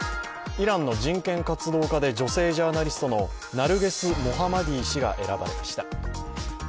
イランの人権活動家で女性ジャーナリストのナルゲス・モハマディ氏が選ばれました。